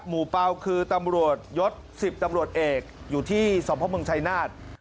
เป่าคือตำรวจยศ๑๐ตำรวจเอกอยู่ที่สมพเมืองชายนาฏ